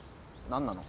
何なの？